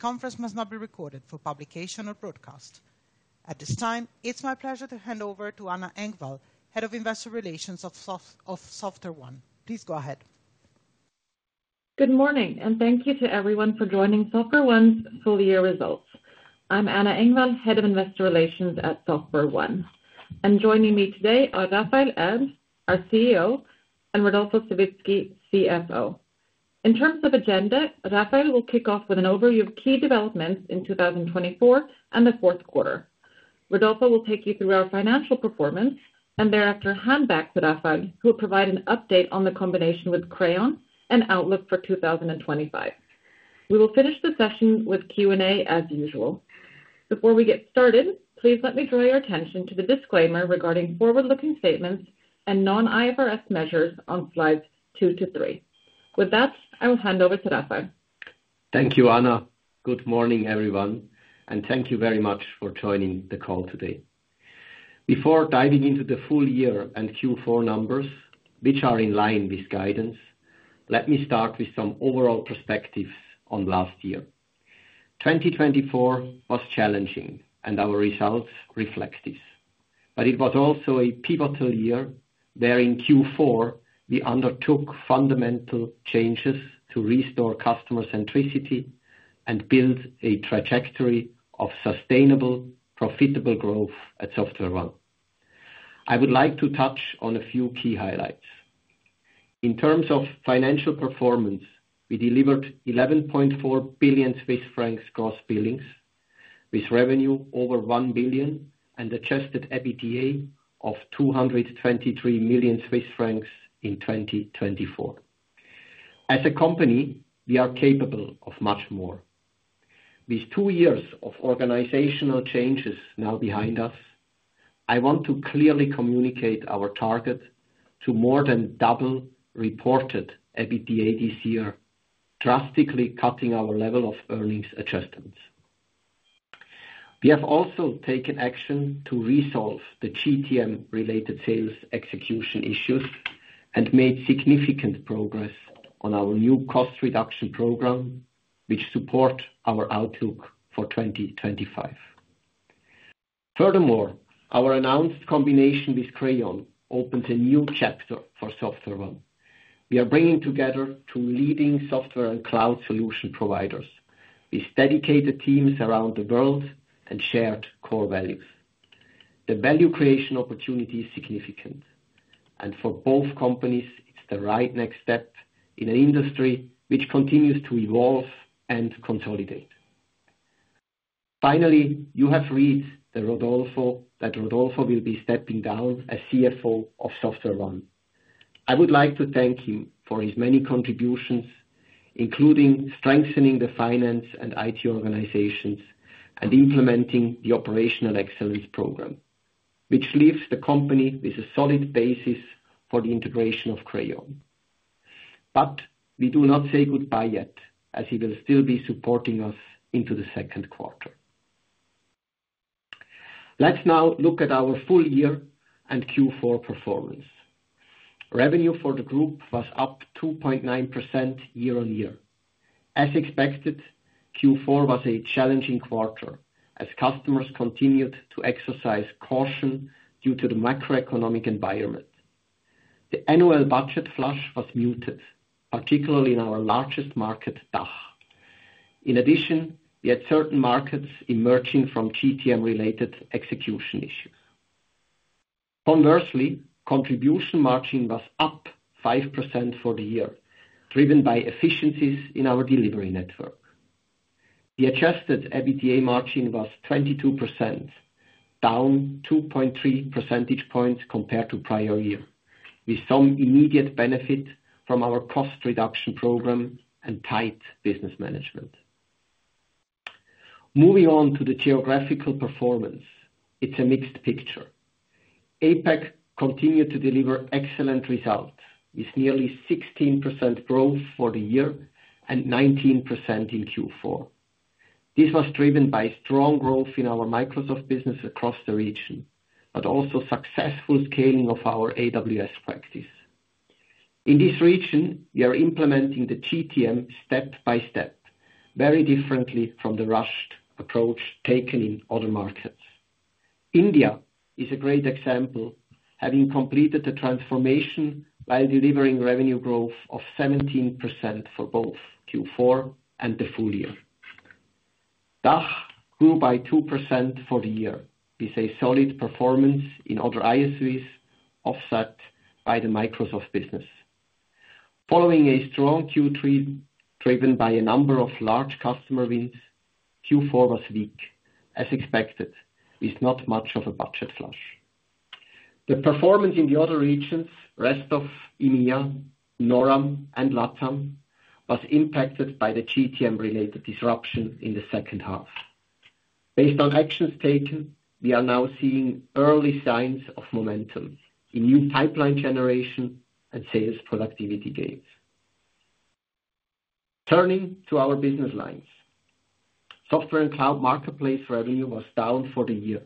Conference must not be recorded for publication or broadcast. At this time, it's my pleasure to hand over to Anna Engvall, Head of Investor Relations of SoftwareOne. Please go ahead. Good morning, and thank you to everyone for joining SoftwareOne's full-year results. I'm Anna Engvall, Head of Investor Relations at SoftwareOne. And joining me today are Raphael Erb, our CEO, and Rodolfo Savitzky, CFO. In terms of agenda, Raphael will kick off with an overview of key developments in 2024 and the fourth quarter. Rodolfo will take you through our financial performance, and thereafter hand back to Raphael, who will provide an update on the combination with Crayon and Outlook for 2025. We will finish the session with Q&A, as usual. Before we get started, please let me draw your attention to the disclaimer regarding forward-looking statements and non-IFRS measures on slides two to three. With that, I will hand over to Raphael. Thank you, Anna. Good morning, everyone, and thank you very much for joining the call today. Before diving into the full year and Q4 numbers, which are in line with guidance, let me start with some overall perspectives on last year. 2024 was challenging, and our results reflect this. But it was also a pivotal year where, in Q4, we undertook fundamental changes to restore customer centricity and build a trajectory of sustainable, profitable growth at SoftwareOne. I would like to touch on a few key highlights. In terms of financial performance, we delivered 11.4 billion Swiss francs gross billings, with revenue over 1 billion CHF and adjusted EBITDA of 223 million Swiss francs in 2024. As a company, we are capable of much more. With two years of organizational changes now behind us, I want to clearly communicate our target to more than double reported EBITDA this year, drastically cutting our level of earnings adjustments. We have also taken action to resolve the GTM-related sales execution issues and made significant progress on our new cost reduction program, which supports our outlook for 2025. Furthermore, our announced combination with Crayon opens a new chapter for SoftwareOne. We are bringing together two leading software and cloud solution providers with dedicated teams around the world and shared core values. The value creation opportunity is significant, and for both companies, it's the right next step in an industry which continues to evolve and consolidate. Finally, you have read that Rodolfo will be stepping down as CFO of SoftwareOne. I would like to thank him for his many contributions, including strengthening the finance and IT organizations and implementing the Operational Excellence Program, which leaves the company with a solid basis for the integration of Crayon. But we do not say goodbye yet, as he will still be supporting us into the second quarter. Let's now look at our full year and Q4 performance. Revenue for the group was up 2.9% year-on-year. As expected, Q4 was a challenging quarter as customers continued to exercise caution due to the macroeconomic environment. The annual budget flush was muted, particularly in our largest market, DACH. In addition, we had certain markets emerging from GTM-related execution issues. Conversely, contribution margin was up 5% for the year, driven by efficiencies in our delivery network. The adjusted EBITDA margin was 22%, down 2.3 percentage points compared to prior year, with some immediate benefit from our cost reduction program and tight business management. Moving on to the geographical performance, it's a mixed picture. APAC continued to deliver excellent results, with nearly 16% growth for the year and 19% in Q4. This was driven by strong growth in our Microsoft business across the region, but also successful scaling of our AWS practice. In this region, we are implementing the GTM step by step, very differently from the rushed approach taken in other markets. India is a great example, having completed a transformation while delivering revenue growth of 17% for both Q4 and the full year. DACH grew by 2% for the year, with a solid performance in other ISVs offset by the Microsoft business. Following a strong Q3 driven by a number of large customer wins, Q4 was weak, as expected, with not much of a budget flush. The performance in the other regions, Rest of EMEA, NORAM, and LATAM, was impacted by the GTM-related disruption in the second half. Based on actions taken, we are now seeing early signs of momentum in new pipeline generation and sales productivity gains. Turning to our business lines, Software and Cloud Marketplace revenue was down for the year,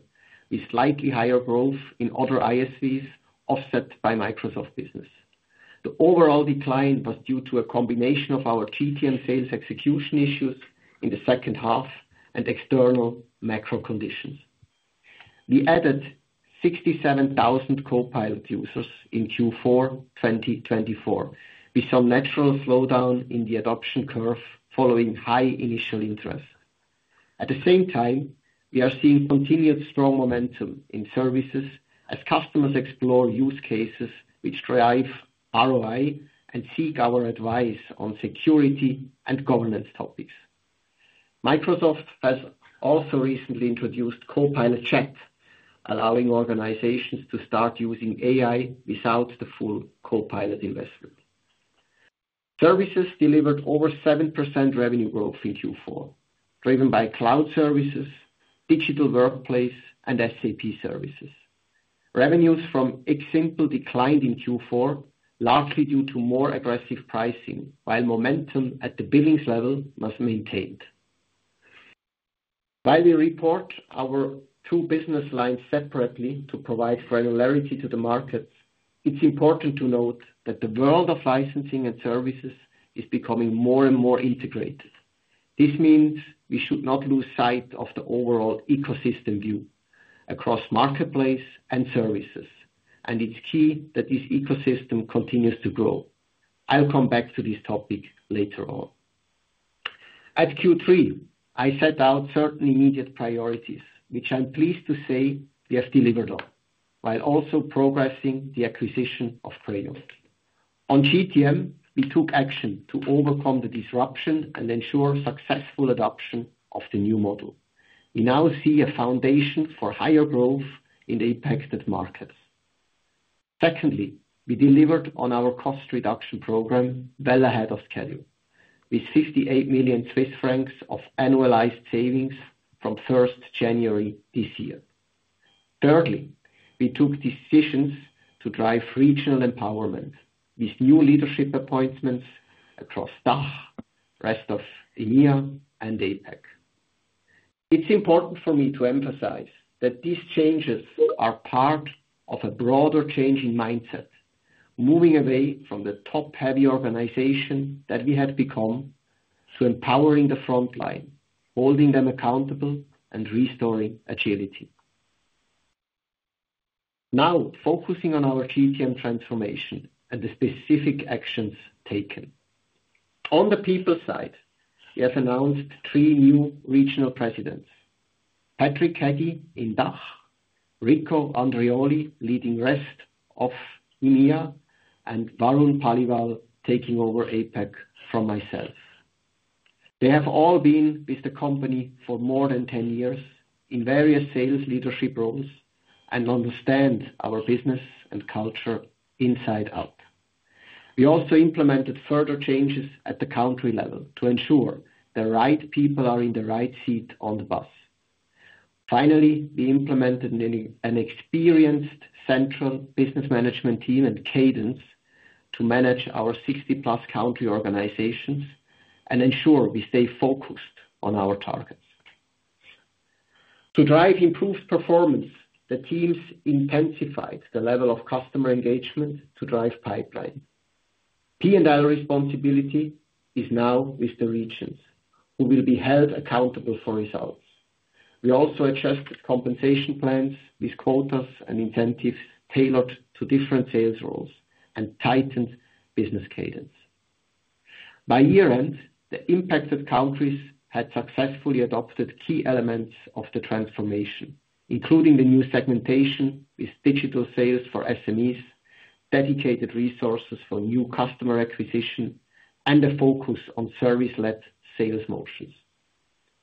with slightly higher growth in other ISVs offset by Microsoft business. The overall decline was due to a combination of our GTM sales execution issues in the second half and external macro conditions. We added 67,000 Copilot users in Q4 2024, with some natural slowdown in the adoption curve following high initial interest. At the same time, we are seeing continued strong momentum in Services as customers explore use cases which drive ROI and seek our advice on security and governance topics. Microsoft has also recently introduced Copilot Chat, allowing organizations to start using AI without the full Copilot investment. Services delivered over 7% revenue growth in Q4, driven by cloud services, digital workplace, and SAP services. Revenues from Simple declined in Q4, largely due to more aggressive pricing, while momentum at the billings level was maintained. While we report our two business lines separately to provide granularity to the markets, it's important to note that the world of licensing and Services is becoming more and more integrated. This means we should not lose sight of the overall ecosystem view across Marketplace and Services, and it's key that this ecosystem continues to grow. I'll come back to this topic later on. At Q3, I set out certain immediate priorities, which I'm pleased to say we have delivered on, while also progressing the acquisition of Crayon. On GTM, we took action to overcome the disruption and ensure successful adoption of the new model. We now see a foundation for higher growth in the impacted markets. Secondly, we delivered on our cost reduction program well ahead of schedule, with 58 million Swiss francs of annualized savings from 1st January this year. Thirdly, we took decisions to drive regional empowerment with new leadership appointments across DACH, Rest of EMEA, and APAC. It's important for me to emphasize that these changes are part of a broader changing mindset, moving away from the top-heavy organization that we have become to empowering the frontline, holding them accountable, and restoring agility. Now, focusing on our GTM transformation and the specific actions taken. On the people side, we have announced three new regional presidents: Patrick Kägi in DACH, Rico Andreoli leading Rest of EMEA, and Varun Paliwal taking over APAC from myself. They have all been with the company for more than 10 years in various sales leadership roles and understand our business and culture inside out. We also implemented further changes at the country level to ensure the right people are in the right seat on the bus. Finally, we implemented an experienced central business management team and cadence to manage our 60-plus country organizations and ensure we stay focused on our targets. To drive improved performance, the teams intensified the level of customer engagement to drive pipeline. P&L responsibility is now with the regions, who will be held accountable for results. We also adjusted compensation plans with quotas and incentives tailored to different sales roles and tightened business cadence. By year-end, the impacted countries had successfully adopted key elements of the transformation, including the new segmentation with digital sales for SMEs, dedicated resources for new customer acquisition, and a focus on service-led sales motions.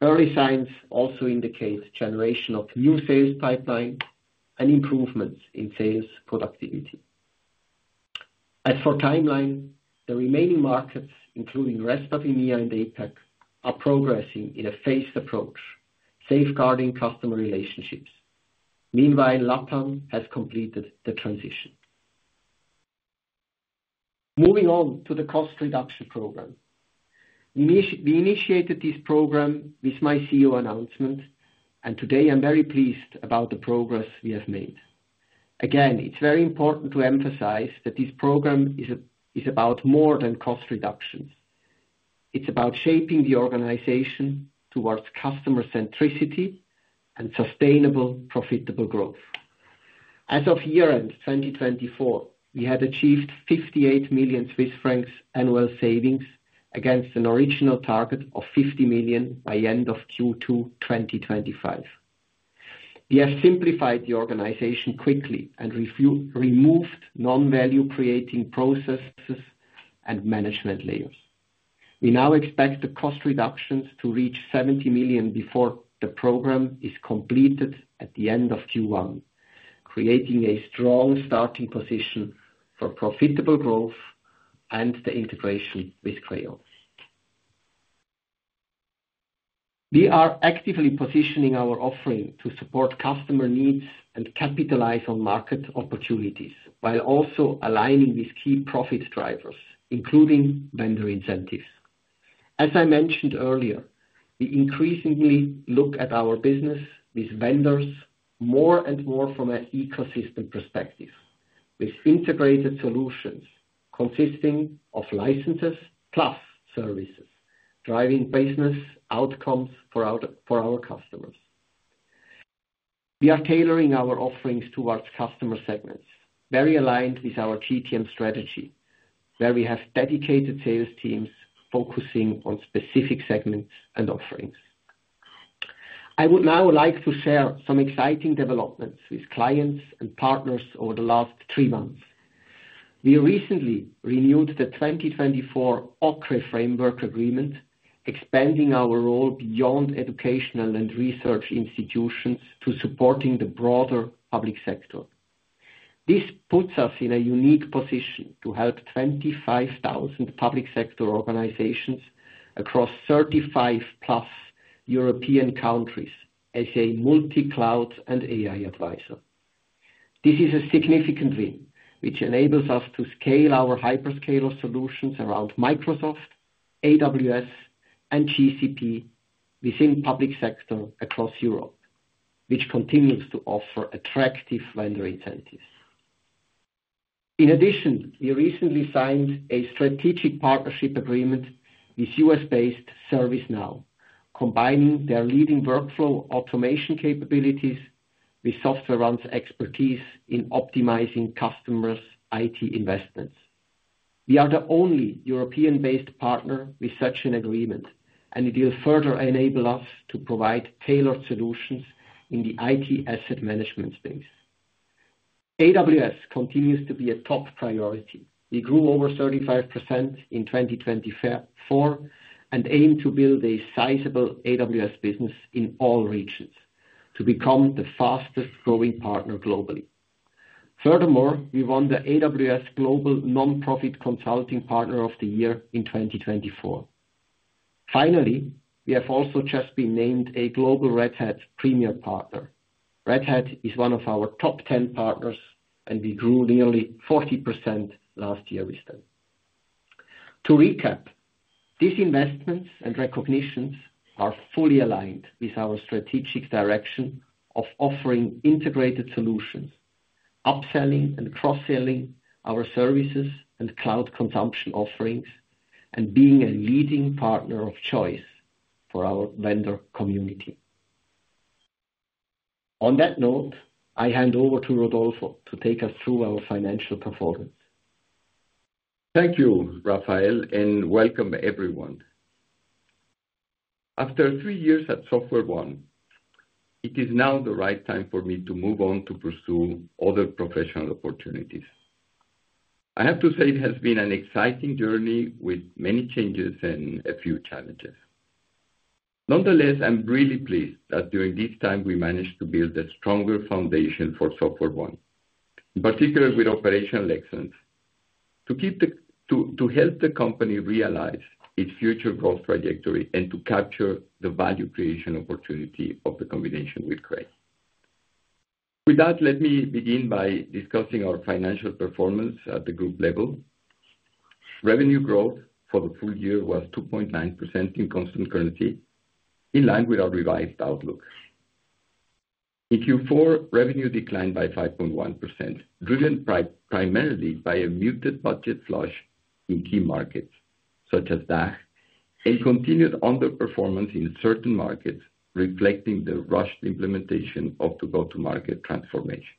Early signs also indicate the generation of new sales pipeline and improvements in sales productivity. As for timeline, the remaining markets, including Rest of EMEA, and APAC, are progressing in a phased approach, safeguarding customer relationships. Meanwhile, LATAM has completed the transition. Moving on to the cost reduction program. We initiated this program with my CEO announcement, and today I'm very pleased about the progress we have made. Again, it's very important to emphasize that this program is about more than cost reductions. It's about shaping the organization towards customer centricity and sustainable, profitable growth. As of year-end 2024, we had achieved 58 million Swiss francs annual savings against an original target of 50 million by end of Q2 2025. We have simplified the organization quickly and removed non-value-creating processes and management layers. We now expect the cost reductions to reach 70 million before the program is completed at the end of Q1, creating a strong starting position for profitable growth and the integration with Crayon. We are actively positioning our offering to support customer needs and capitalize on market opportunities, while also aligning with key profit drivers, including vendor incentives. As I mentioned earlier, we increasingly look at our business with vendors more and more from an ecosystem perspective, with integrated solutions consisting of licenses plus services driving business outcomes for our customers. We are tailoring our offerings towards customer segments, very aligned with our GTM strategy, where we have dedicated sales teams focusing on specific segments and offerings. I would now like to share some exciting developments with clients and partners over the last three months. We recently renewed the 2024 OCRE framework agreement, expanding our role beyond educational and research institutions to supporting the broader public sector. This puts us in a unique position to help 25,000 public sector organizations across 35-plus European countries as a multi-cloud and AI advisor. This is a significant win, which enables us to scale our hyperscaler solutions around Microsoft, AWS, and GCP within public sector across Europe, which continues to offer attractive vendor incentives. In addition, we recently signed a strategic partnership agreement with US-based ServiceNow, combining their leading workflow automation capabilities with SoftwareONE's expertise in optimizing customers' IT investments. We are the only European-based partner with such an agreement, and it will further enable us to provide tailored solutions in the IT asset management space. AWS continues to be a top priority. We grew over 35% in 2024 and aim to build a sizable AWS business in all regions to become the fastest-growing partner globally. Furthermore, we won the AWS Global Nonprofit Consulting Partner of the Year in 2024. Finally, we have also just been named a Global Red Hat Premier Partner. Red Hat is one of our top 10 partners, and we grew nearly 40% last year with them. To recap, these investments and recognitions are fully aligned with our strategic direction of offering integrated solutions, upselling and cross-selling our services and cloud consumption offerings, and being a leading partner of choice for our vendor community. On that note, I hand over to Rodolfo to take us through our financial performance. Thank you, Raphael, and welcome everyone. After three years at SoftwareOne, it is now the right time for me to move on to pursue other professional opportunities. I have to say it has been an exciting journey with many changes and a few challenges. Nonetheless, I'm really pleased that during this time we managed to build a stronger foundation for SoftwareOne, in particular with operational excellence, to help the company realize its future growth trajectory and to capture the value creation opportunity of the combination with Crayon. With that, let me begin by discussing our financial performance at the group level. Revenue growth for the full year was 2.9% in constant currency, in line with our revised outlook. In Q4, revenue declined by 5.1%, driven primarily by a muted budget flush in key markets such as DACH and continued underperformance in certain markets, reflecting the rushed implementation of the go-to-market transformation.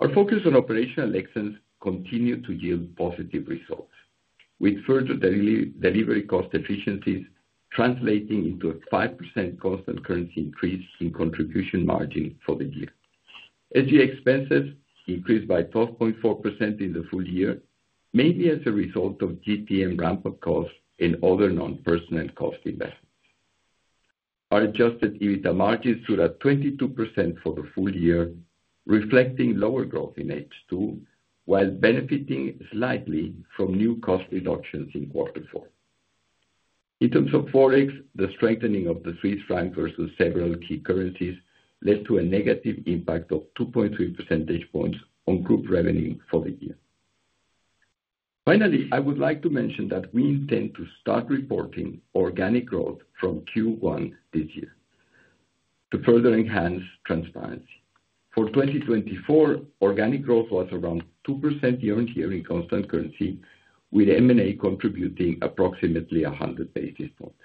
Our focus on operational excellence continued to yield positive results, with further delivery cost efficiencies translating into a 5% constant currency increase in contribution margin for the year. SG&A expenses increased by 12.4% in the full year, mainly as a result of GTM ramp-up costs and other non-personnel cost investments. Our adjusted EBITDA margins stood at 22% for the full year, reflecting lower growth in H2, while benefiting slightly from new cost reductions in Q4. In terms of forex, the strengthening of the Swiss franc versus several key currencies led to a negative impact of 2.3% points on group revenue for the year. Finally, I would like to mention that we intend to start reporting organic growth from Q1 this year to further enhance transparency. For 2024, organic growth was around 2% year-on-year in constant currency, with M&A contributing approximately 100 basis points.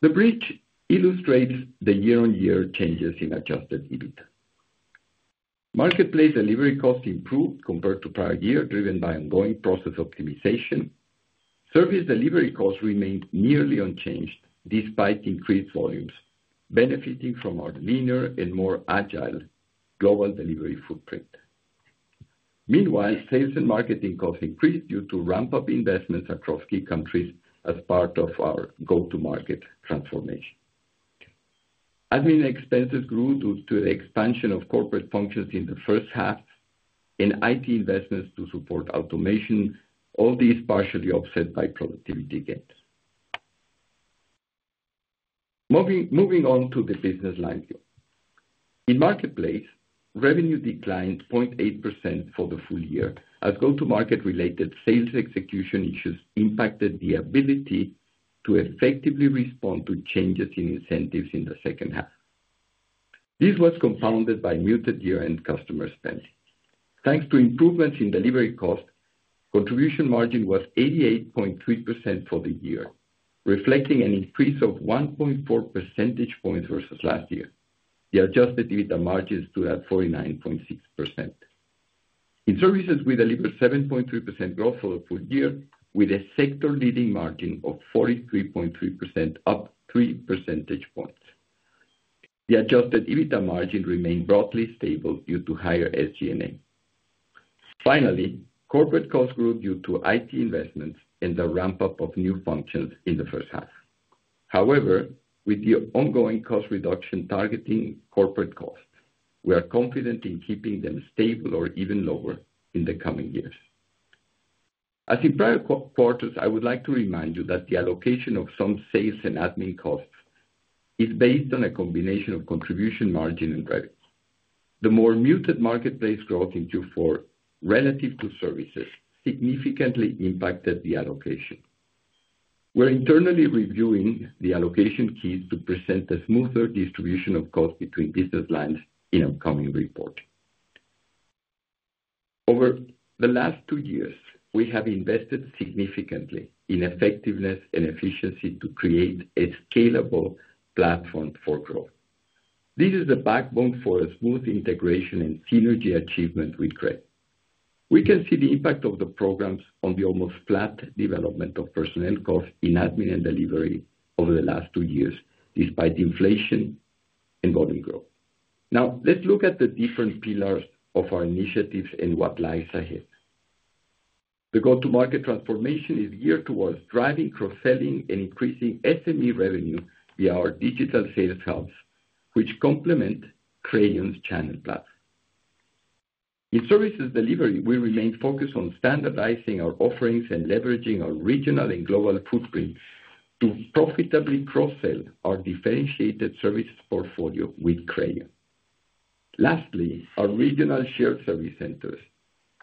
The bridge illustrates the year-on-year changes in Adjusted EBITDA. Marketplace delivery costs improved compared to prior year, driven by ongoing process optimization. Service delivery costs remained nearly unchanged despite increased volumes, benefiting from our leaner and more agile global delivery footprint. Meanwhile, sales and marketing costs increased due to ramp-up investments across key countries as part of our go-to-market transformation. Admin expenses grew due to the expansion of corporate functions in the first half and IT investments to support automation, all these partially offset by productivity gains. Moving on to the business line here. In marketplace, revenue declined 0.8% for the full year as go-to-market-related sales execution issues impacted the ability to effectively respond to changes in incentives in the second half. This was compounded by muted year-end customer spending. Thanks to improvements in delivery costs, contribution margin was 88.3% for the year, reflecting an increase of 1.4 percentage points versus last year. The adjusted EBITDA margin stood at 49.6%. In services, we delivered 7.3% growth for the full year, with a sector-leading margin of 43.3%, up 3 percentage points. The adjusted EBITDA margin remained broadly stable due to higher SG&A. Finally, corporate costs grew due to IT investments and the ramp-up of new functions in the first half. However, with the ongoing cost reduction targeting corporate costs, we are confident in keeping them stable or even lower in the coming years. As in prior quarters, I would like to remind you that the allocation of some sales and admin costs is based on a combination of contribution margin and revenue. The more muted marketplace growth in Q4 relative to services significantly impacted the allocation. We're internally reviewing the allocation keys to present a smoother distribution of costs between business lines in the upcoming report. Over the last two years, we have invested significantly in effectiveness and efficiency to create a scalable platform for growth. This is the backbone for a smooth integration and synergy achievement with Crayon. We can see the impact of the programs on the almost flat development of personnel costs in admin and delivery over the last two years, despite inflation and volume growth. Now, let's look at the different pillars of our initiatives and what lies ahead. The go-to-market transformation is geared towards driving cross-selling and increasing SME revenue via our digital sales hubs, which complement Crayon channel platform. In services delivery, we remain focused on standardizing our offerings and leveraging our regional and global footprint to profitably cross-sell our differentiated service portfolio with Crayon. Lastly, our regional shared service centers,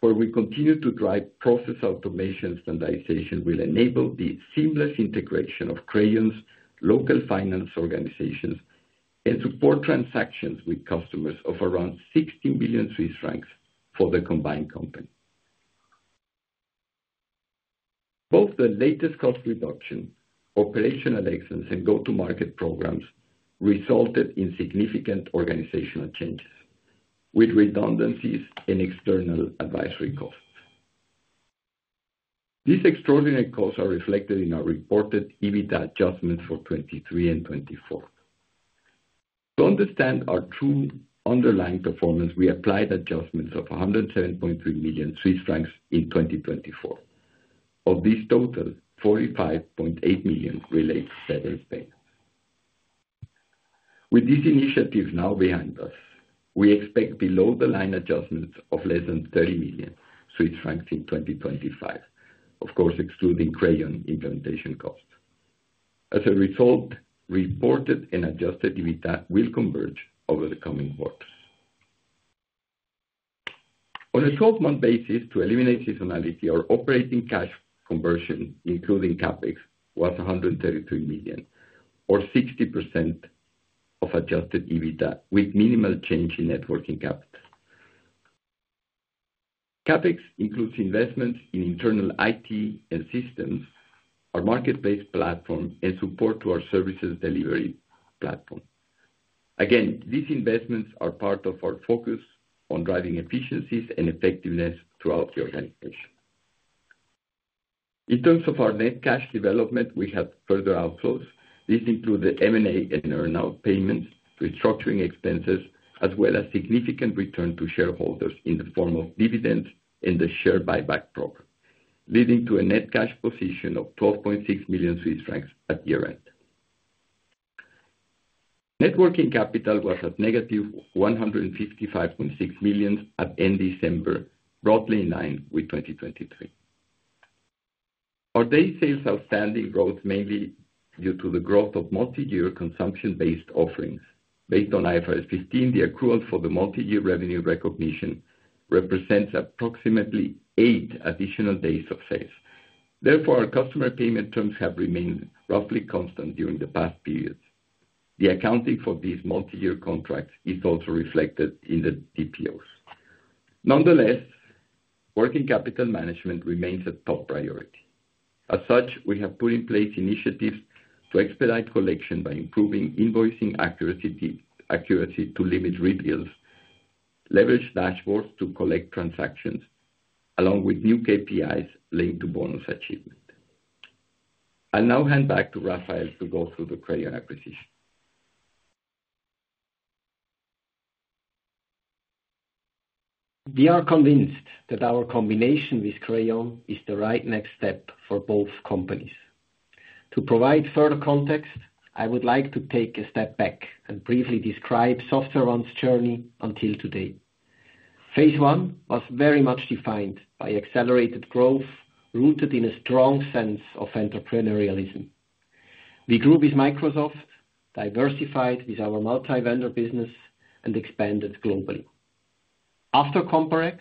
where we continue to drive process automation standardization, will enable the seamless integration of Crayon's local finance organizations and support transactions with customers of around 16 million Swiss francs for the combined company. Both the latest cost reduction, operational excellence, and go-to-market programs resulted in significant organizational changes, with redundancies and external advisory costs. These extraordinary costs are reflected in our reported EBITDA adjustments for 2023 and 2024. To understand our true underlying performance, we applied adjustments of 107.3 million Swiss francs in 2024. Of this total, 45.8 million relates to federal payments. With these initiatives now behind us, we expect below-the-line adjustments of less than 30 million Swiss francs in 2025, of course, excluding Crayon implementation costs. As a result, reported and adjusted EBITDA will converge over the coming quarters. On a 12-month basis, to eliminate seasonality, our operating cash conversion, including CapEx, was 133 million, or 60% of adjusted EBITDA, with minimal change in net working capital. CapEx includes investments in internal IT and systems, our marketplace platform, and support to our services delivery platform. Again, these investments are part of our focus on driving efficiencies and effectiveness throughout the organization. In terms of our net cash development, we have further outflows. These include the M&A and earn-out payments, restructuring expenses, as well as significant return to shareholders in the form of dividends and the share buyback program, leading to a net cash position of 12.6 million Swiss francs at year-end. working capital was at negative 155.6 million at end December, broadly in line with 2023. Our day sales outstanding growth mainly due to the growth of multi-year consumption-based offerings. Based on IFRS 15, the accrual for the multi-year revenue recognition represents approximately eight additional days of sales. Therefore, our customer payment terms have remained roughly constant during the past periods. The accounting for these multi-year contracts is also reflected in the DPOs. Nonetheless, working capital management remains a top priority. As such, we have put in place initiatives to expedite collection by improving invoicing accuracy to limit rebuilds, leverage dashboards to collect transactions, along with new KPIs linked to bonus achievement. I'll now hand back to Raphael to go through the Crayon acquisition. We are convinced that our combination with Crayon is the right next step for both companies. To provide further context, I would like to take a step back and briefly describe SoftwareONE's journey until today. Phase one was very much defined by accelerated growth rooted in a strong sense of entrepreneurialism. We grew with Microsoft, diversified with our multi-vendor business, and expanded globally. After Comparex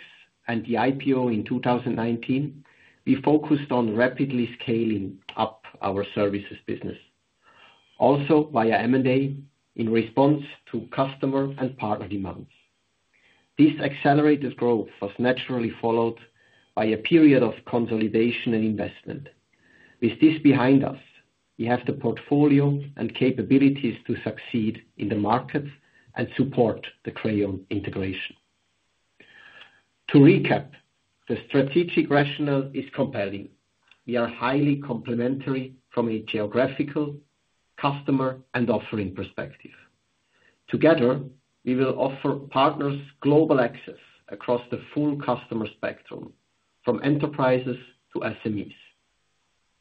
and the IPO in 2019, we focused on rapidly scaling up our services business, also via M&A in response to customer and partner demands. This accelerated growth was naturally followed by a period of consolidation and investment. With this behind us, we have the portfolio and capabilities to succeed in the markets and support the Crayon integration. To recap, the strategic rationale is compelling. We are highly complementary from a geographical, customer, and offering perspective. Together, we will offer partners global access across the full customer spectrum, from enterprises to SMEs.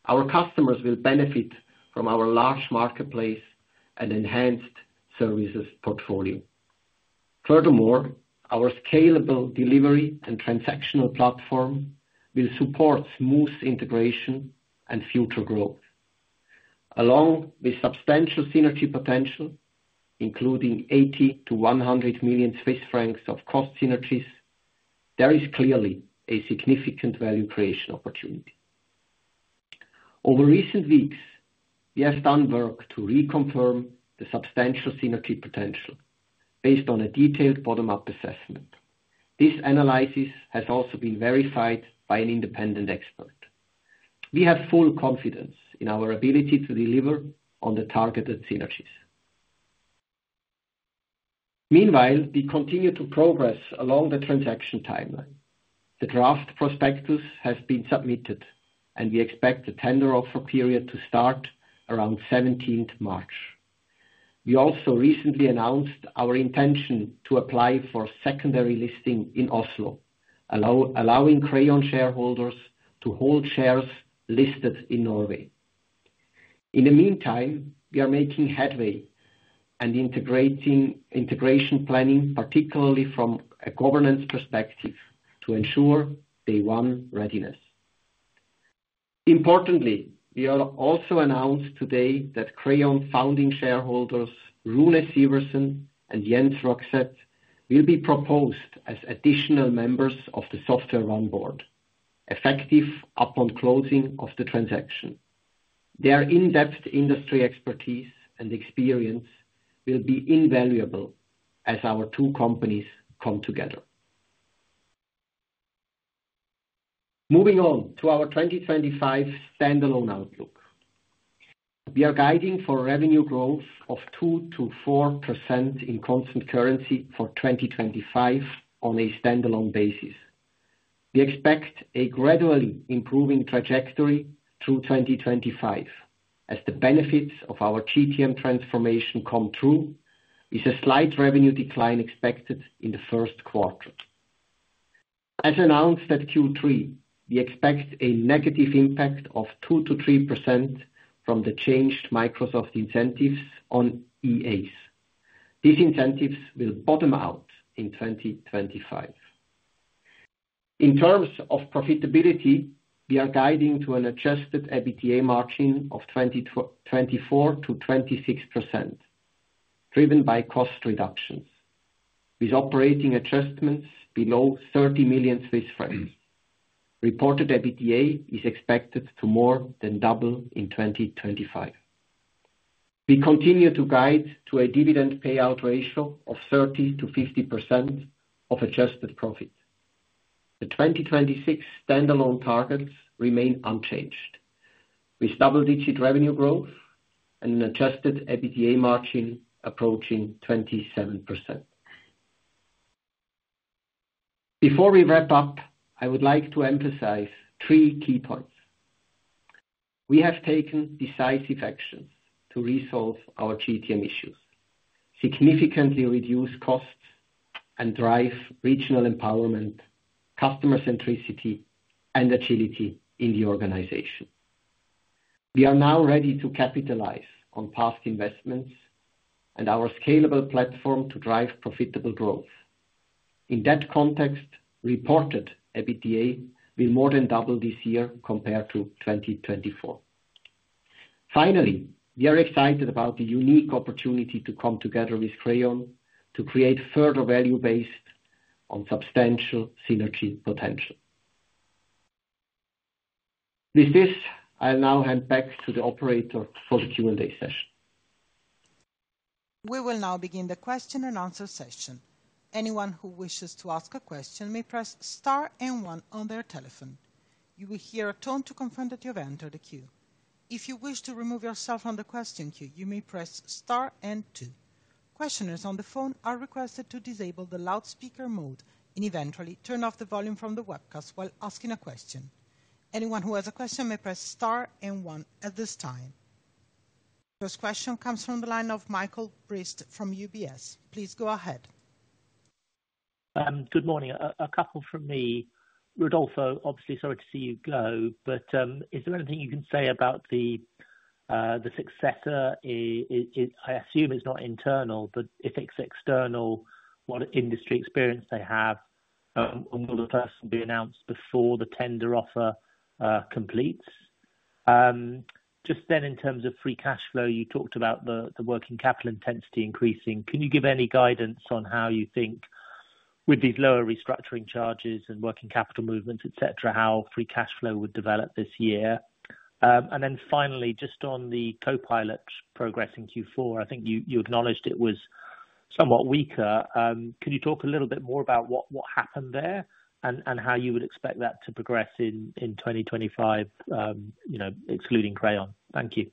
Our customers will benefit from our large marketplace and enhanced services portfolio. Furthermore, our scalable delivery and transactional platform will support smooth integration and future growth. Along with substantial synergy potential, including 80 million-100 million Swiss francs of cost synergies, there is clearly a significant value creation opportunity. Over recent weeks, we have done work to reconfirm the substantial synergy potential based on a detailed bottom-up assessment. This analysis has also been verified by an independent expert. We have full confidence in our ability to deliver on the targeted synergies. Meanwhile, we continue to progress along the transaction timeline. The draft prospectus has been submitted, and we expect the tender offer period to start around 17 March. We also recently announced our intention to apply for secondary listing in Oslo, allowing Crayon shareholders to hold shares listed in Norway. In the meantime, we are making headway and integration planning, particularly from a governance perspective, to ensure day-one readiness. Importantly, we have also announced today that Crayon founding shareholders, Rune Syversen and Jens Rugseth, will be proposed as additional members of the SoftwareOne Board, effective upon closing of the transaction. Their in-depth industry expertise and experience will be invaluable as our two companies come together. Moving on to our 2025 standalone outlook. We are guiding for revenue growth of 2%-4% in constant currency for 2025 on a standalone basis. We expect a gradually improving trajectory through 2025 as the benefits of our GTM transformation come true. There is a slight revenue decline expected in the first quarter. As announced at Q3, we expect a negative impact of 2%-3% from the changed Microsoft incentives on EAs. These incentives will bottom out in 2025. In terms of profitability, we are guiding to an Adjusted EBITDA margin of 24%-26%, driven by cost reductions. With operating adjustments below 30 million Swiss francs, reported EBITDA is expected to more than double in 2025. We continue to guide to a dividend payout ratio of 30%-50% of adjusted profit. The 2026 standalone targets remain unchanged, with double-digit revenue growth and an Adjusted EBITDA margin approaching 27%. Before we wrap up, I would like to emphasize three key points. We have taken decisive actions to resolve our GTM issues, significantly reduce costs, and drive regional empowerment, customer centricity, and agility in the organization. We are now ready to capitalize on past investments and our scalable platform to drive profitable growth. In that context, reported EBITDA will more than double this year compared to 2024. Finally, we are excited about the unique opportunity to come together with Crayon to create further value based on substantial synergy potential. With this, I'll now hand back to the operator for the Q&A session. We will now begin the question and answer session. Anyone who wishes to ask a question may press Star and one on their telephone. You will hear a tone to confirm that you have entered the queue. If you wish to remove yourself from the question queue, you may press Star and two. Questioners on the phone are requested to disable the loudspeaker mode and eventually turn off the volume from the webcast while asking a question. Anyone who has a question may press Star and at this time. First question comes from the line of Michael Briest from UBS. Please go ahead. Good morning. A couple from me. Rodolfo, obviously, sorry to see you go, but is there anything you can say about the successor? I assume it's not internal, but if it's external, what industry experience they have, and will the person be announced before the tender offer completes? Just then, in terms of free cash flow, you talked about the working capital intensity increasing. Can you give any guidance on how you think, with these lower restructuring charges and working capital movements, etc., how free cash flow would develop this year? And then finally, just on the Copilot progress in Q4, I think you acknowledged it was somewhat weaker. Can you talk a little bit more about what happened there and how you would expect that to progress in 2025, excluding Crayon? Thank you.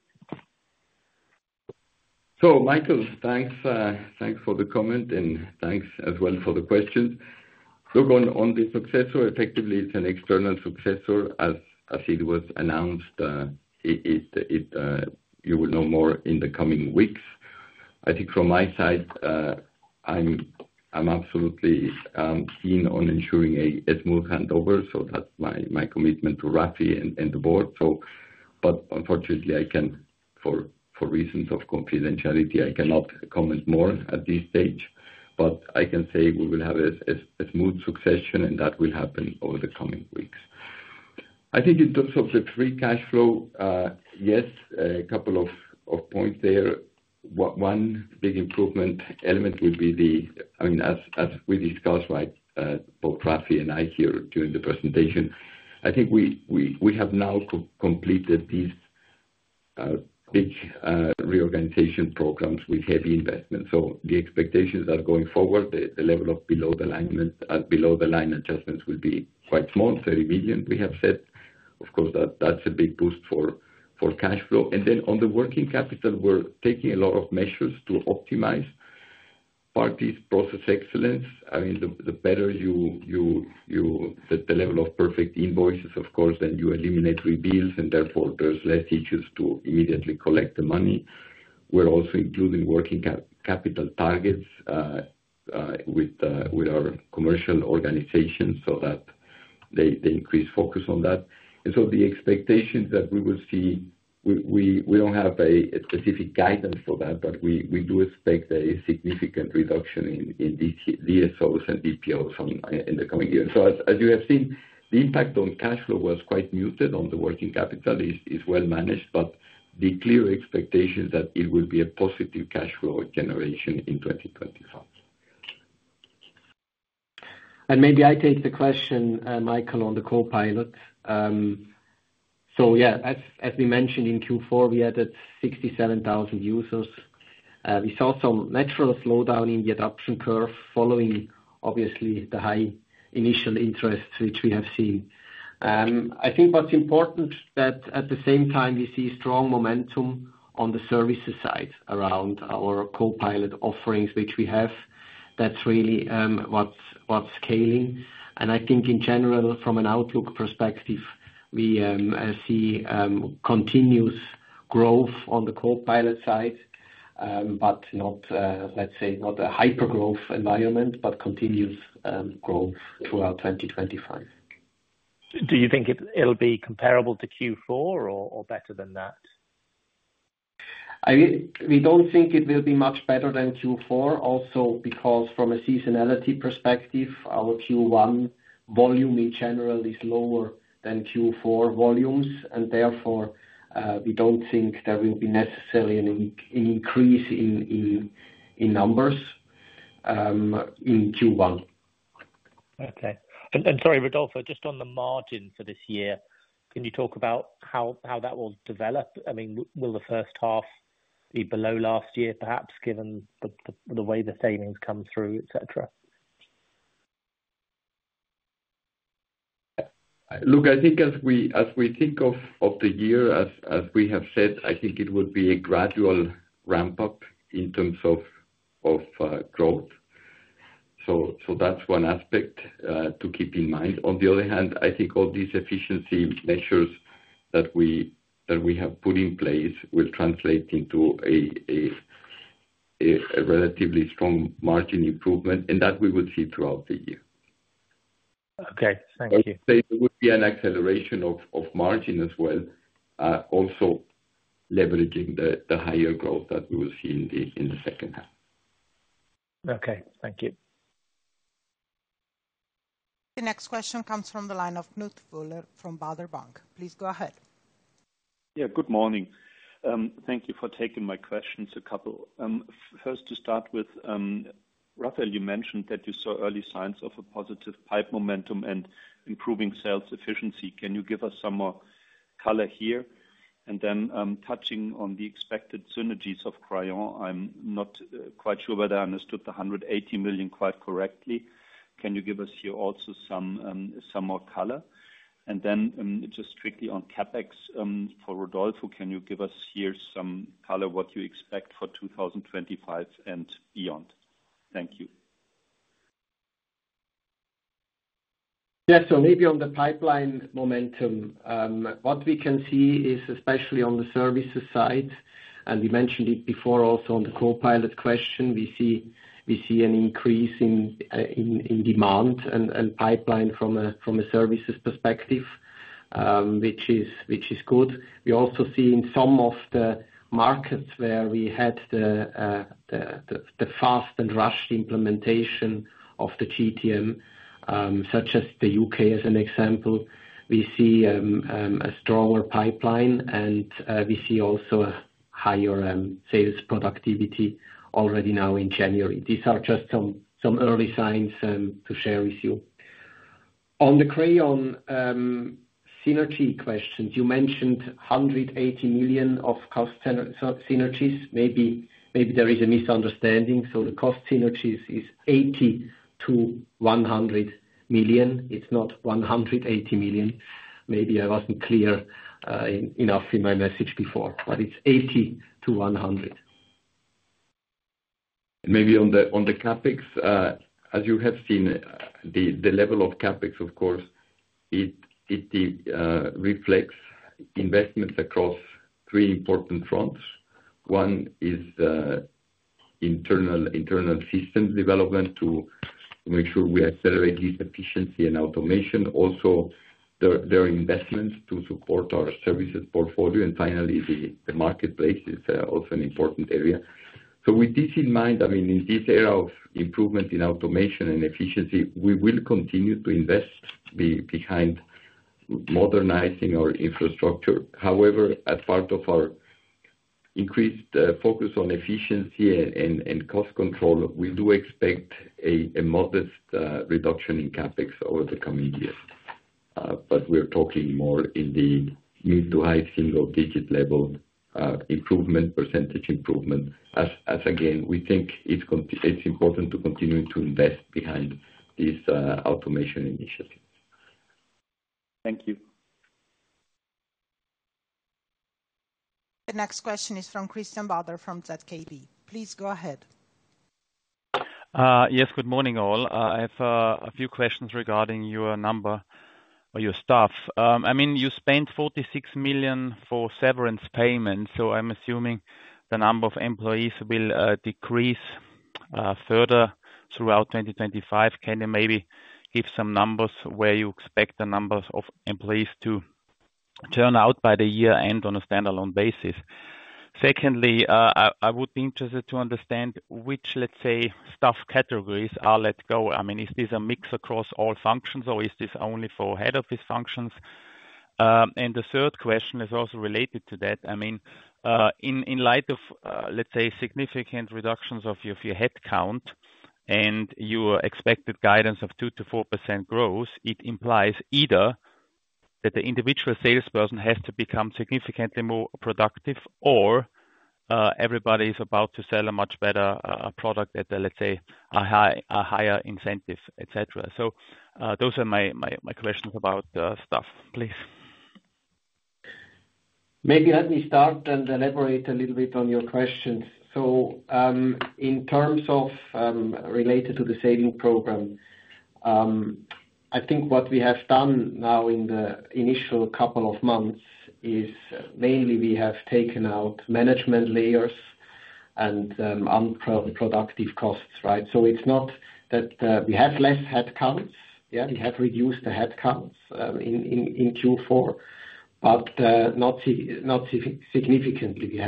So, Michael, thanks for the comment, and thanks as well for the questions. Looking on the successor, effectively, it's an external successor, as it was announced. You will know more in the coming weeks. I think from my side, I'm absolutely keen on ensuring a smooth handover. So that's my commitment to Rafi and the board. But unfortunately, for reasons of confidentiality, I cannot comment more at this stage. But I can say we will have a smooth succession, and that will happen over the coming weeks. I think in terms of the free cash flow, yes, a couple of points there. One big improvement element will be the, I mean, as we discussed, both Rafi and I here during the presentation, I think we have now completed these big reorganization programs with heavy investments. So the expectations are going forward. The level of below the line adjustments will be quite small, 30 million, we have said. Of course, that's a big boost for cash flow. And then on the working capital, we're taking a lot of measures to optimize payables, process excellence. I mean, the better the level of perfect invoices, of course, then you eliminate rebuilds, and therefore there's less issues to immediately collect the money. We're also including working capital targets with our commercial organization so that they increase focus on that. And so the expectations that we will see, we don't have a specific guidance for that, but we do expect a significant reduction in DSOs and DPOs in the coming years. So as you have seen, the impact on cash flow was quite muted on the working capital. It's well managed, but the clear expectation is that it will be a positive cash flow generation in 2025. And maybe I take the question, Michael, on the Copilot. So yeah, as we mentioned in Q4, we added 67,000 users. We saw some natural slowdown in the adoption curve following, obviously, the high initial interest which we have seen. I think what's important is that at the same time, we see strong momentum on the services side around our Copilot offerings which we have. That's really what's scaling. And I think in general, from an outlook perspective, we see continuous growth on the Copilot side, but let's say not a hyper-growth environment, but continuous growth throughout 2025. Do you think it'll be comparable to Q4 or better than that? We don't think it will be much better than Q4, also because from a seasonality perspective, our Q1 volume in general is lower than Q4 volumes. And therefore, we don't think there will be necessarily an increase in numbers in Q1. Okay. And sorry, Rodolfo, just on the margin for this year, can you talk about how that will develop? I mean, will the first half be below last year, perhaps, given the way the savings come through, etc.? Look, I think as we think of the year, as we have said, I think it will be a gradual ramp-up in terms of growth. So that's one aspect to keep in mind. On the other hand, I think all these efficiency measures that we have put in place will translate into a relatively strong margin improvement, and that we will see throughout the year. Okay. Thank you. There will be an acceleration of margin as well, also leveraging the higher growth that we will see in the second half. Okay. Thank you. The next question comes from the line of Knut Woller from Baader Bank. Please go ahead. Yeah. Good morning. Thank you for taking my questions, a couple. First, to start with, Raphael, you mentioned that you saw early signs of a positive pipeline momentum and improving sales efficiency. Can you give us some more color here? And then touching on the expected synergies of Crayon, I'm not quite sure whether I understood the 180 million quite correctly. Can you give us here also some more color? And then just quickly on CapEx for Rodolfo, can you give us here some color what you expect for 2025 and beyond? Thank you. Yeah, so maybe on the pipeline momentum, what we can see is especially on the services side, and we mentioned it before also on the Copilot question, we see an increase in demand and pipeline from a services perspective, which is good. We also see in some of the markets where we had the fast and rushed implementation of the GTM, such as the U.K. as an example, we see a stronger pipeline, and we see also a higher sales productivity already now in January. These are just some early signs to share with you. On the Crayon synergy questions, you mentioned 180 million of cost synergies. Maybe there is a misunderstanding. So the cost synergies is 80-100 million. It's not 180 million. Maybe I wasn't clear enough in my message before, but it's 80-100 million. Maybe on the CapEx, as you have seen, the level of CapEx, of course, it reflects investments across three important fronts. One is internal system development to make sure we accelerate this efficiency and automation. Also, there are investments to support our services portfolio. And finally, the marketplace is also an important area. With this in mind, I mean, in this era of improvement in automation and efficiency, we will continue to invest behind modernizing our infrastructure. However, as part of our increased focus on efficiency and cost control, we do expect a modest reduction in CapEx over the coming years. But we're talking more in the mid to high single-digit level improvement, percentage improvement, as again, we think it's important to continue to invest behind these automation initiatives. Thank you. The next question is from Christian Bauder from ZKB. Please go ahead. Yes. Good morning, all. I have a few questions regarding your number or your staff. I mean, you spent 46 million for severance payments, so I'm assuming the number of employees will decrease further throughout 2025. Can you maybe give some numbers where you expect the numbers of employees to turn out by the year-end on a standalone basis? Secondly, I would be interested to understand which, let's say, staff categories are let go. I mean, is this a mix across all functions, or is this only for head office functions? And the third question is also related to that. I mean, in light of, let's say, significant reductions of your headcount and your expected guidance of 2%-4% growth, it implies either that the individual salesperson has to become significantly more productive or everybody is about to sell a much better product at, let's say, a higher incentive, etc. So those are my questions about staff. Please. Maybe let me start and elaborate a little bit on your questions. So in terms of related to the saving program, I think what we have done now in the initial couple of months is mainly we have taken out management layers and unproductive costs, right? So it's not that we have less headcounts. Yeah, we have reduced the headcounts in Q4, but not significantly. We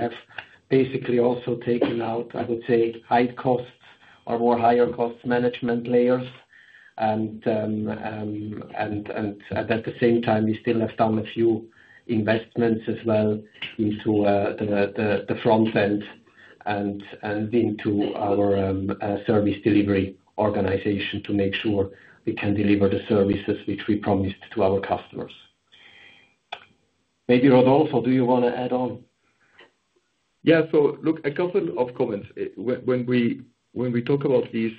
have basically also taken out, I would say, high costs or more higher cost management layers. And at the same time, we still have done a few investments as well into the front end and into our service delivery organization to make sure we can deliver the services which we promised to our customers. Maybe Rodolfo, do you want to add on? Yeah. So look, a couple of comments. When we talk about these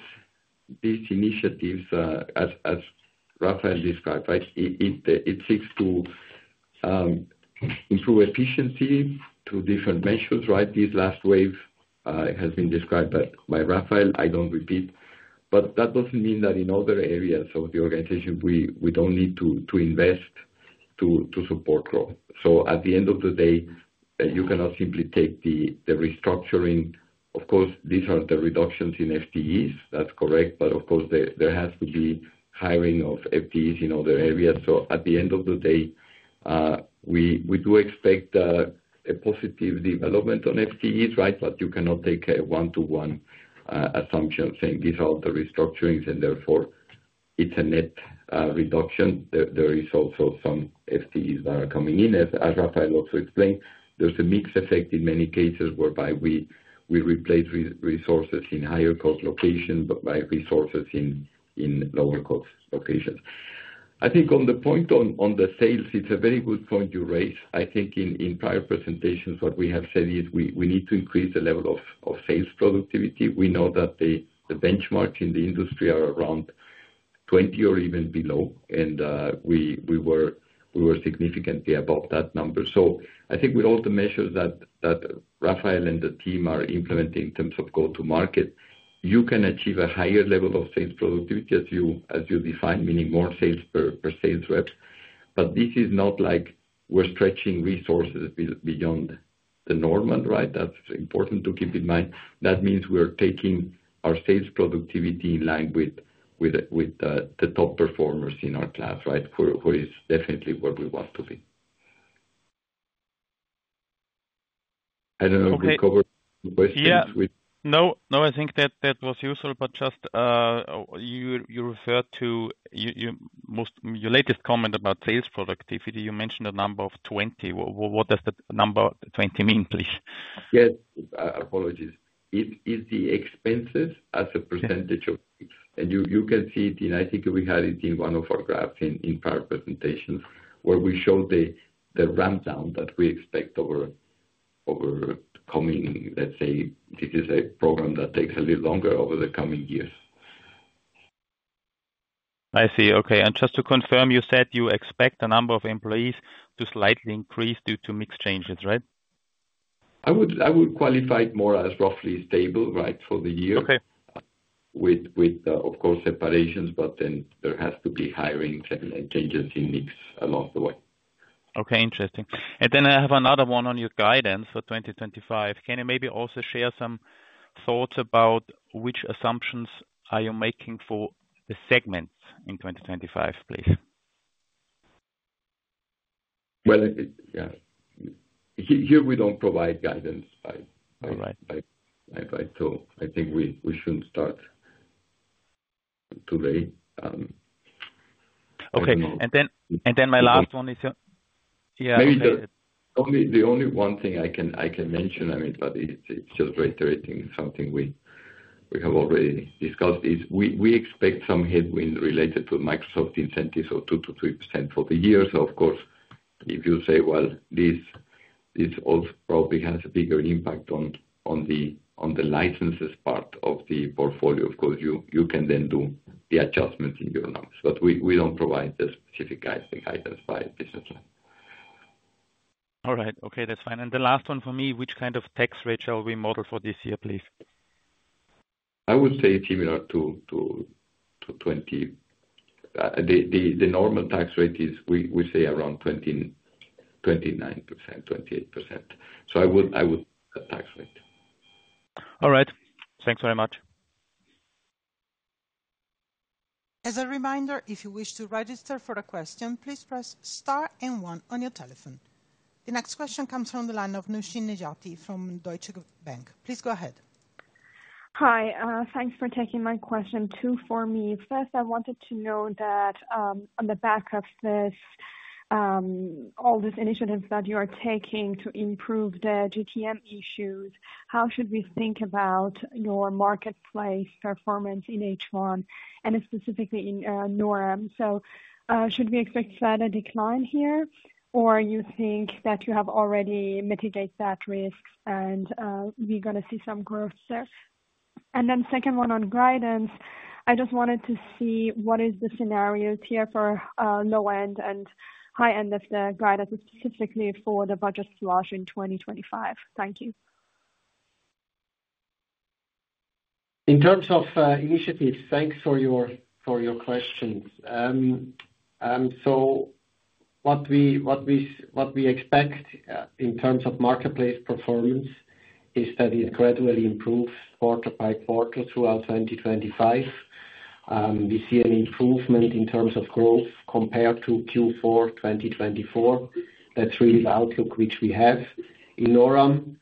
initiatives, as Raphael described, right, it seeks to improve efficiency through different measures, right? This last wave has been described by Raphael. I don't repeat. But that doesn't mean that in other areas of the organization, we don't need to invest to support growth. At the end of the day, you cannot simply take the restructuring. Of course, these are the reductions in FTEs. That's correct. But of course, there has to be hiring of FTEs in other areas. So at the end of the day, we do expect a positive development on FTEs, right? But you cannot take a one-to-one assumption saying these are all the restructurings and therefore it's a net reduction. There is also some FTEs that are coming in. As Raphael also explained, there's a mixed effect in many cases whereby we replace resources in higher cost locations by resources in lower cost locations. I think on the point on the sales, it's a very good point you raise. I think in prior presentations, what we have said is we need to increase the level of sales productivity. We know that the benchmarks in the industry are around 20 or even below, and we were significantly above that number. So I think with all the measures that Raphael and the team are implementing in terms of go-to-market, you can achieve a higher level of sales productivity as you define, meaning more sales per sales rep. But this is not like we're stretching resources beyond the normal, right? That's important to keep in mind. That means we're taking our sales productivity in line with the top performers in our class, right? Where it's definitely where we want to be. I don't know if we covered the questions. Yeah. No, I think that was useful, but just you referred to your latest comment about sales productivity. You mentioned a number of 20. What does the number 20 mean, please? Yes. Apologies. It's the expenses as a percentage of this. And you can see it in. I think we had it in one of our graphs in prior presentations where we showed the rundown that we expect overcoming. Let's say, this is a program that takes a little longer over the coming years. I see. Okay. And just to confirm, you said you expect the number of employees to slightly increase due to mixed changes, right? I would qualify it more as roughly stable, right, for the year with, of course, separations, but then there has to be hirings and changes in mix along the way. Okay. Interesting. And then I have another one on your guidance for 2025. Can you maybe also share some thoughts about which assumptions are you making for the segments in 2025, please? Well, yeah. Here we don't provide guidance by so I think we shouldn't start today. Okay. Then my last one is, yeah. Maybe the only one thing I can mention, I mean, but it's just reiterating something we have already discussed, is we expect some headwind related to Microsoft incentives of 2%-3% for the year. So of course, if you say, "Well, this also probably has a bigger impact on the licenses part of the portfolio," of course, you can then do the adjustments in your numbers. But we don't provide the specific guidance by business line. All right. Okay. That's fine. The last one for me, which kind of tax rate shall we model for this year, please? I would say similar to 20%. The normal tax rate is, we say, around 29%-28%. So I would put that tax rate. All right. Thanks very much. As a reminder, if you wish to register for a question, please press star and one on your telephone. The next question comes from the line of Noushin Nejati from Deutsche Bank. Please go ahead. Hi. Thanks for taking my question too for me. First, I wanted to know that on the back of all these initiatives that you are taking to improve the GTM issues, how should we think about your marketplace performance in H1 and specifically in NORAM? So should we expect a decline here, or you think that you have already mitigated that risk and we're going to see some growth there? And then second one on guidance, I just wanted to see what is the scenarios here for low-end and high-end of the guidance specifically for the budget slash in 2025. Thank you. In terms of initiatives, thanks for your questions. What we expect in terms of marketplace performance is that it gradually improves quarter by quarter throughout 2025. We see an improvement in terms of growth compared to Q4 2024. That's really the outlook which we have. In NORAM,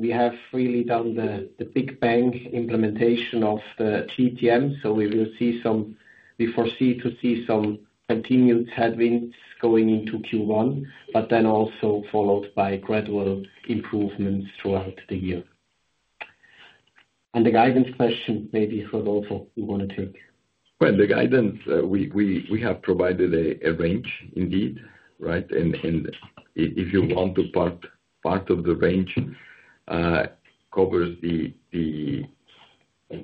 we have really done the big bang implementation of the GTM, so we foresee some continued headwinds going into Q1, but then also followed by gradual improvements throughout the year. The guidance question, maybe Rodolfo, you want to take. The guidance, we have provided a range, indeed, right? And part of the range covers the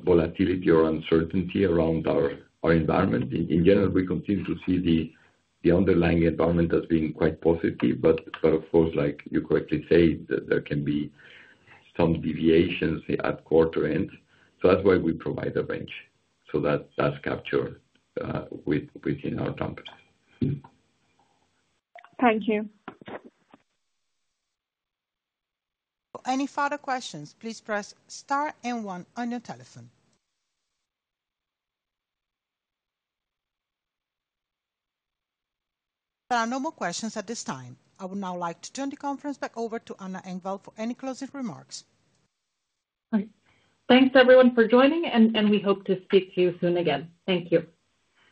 volatility or uncertainty around our environment. In general, we continue to see the underlying environment as being quite positive. But of course, like you correctly say, there can be some deviations at quarter end. So that's why we provide a range so that that's captured within our compass. Thank you. Any further questions, please press star and one on your telephone. There are no more questions at this time. I would now like to turn the conference back over to Anna Engvall for any closing remarks. Thanks, everyone, for joining, and we hope to speak to you soon again. Thank you.